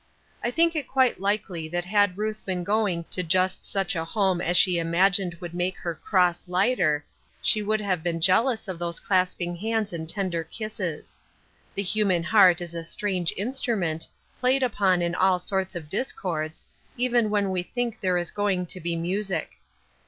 I think it quite likely that had Ruth been going to just such a home as she imagined would make her cross lighter, she would have been jealous of those clasping hands and tender kisses. The human heart is a strange instrument, played upon in all sorts of discords, even when we think there is going to be music.